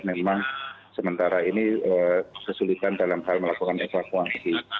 memang sementara ini kesulitan dalam hal melakukan evakuasi